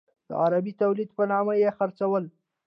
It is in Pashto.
د عربي تولید په نامه یې خرڅول.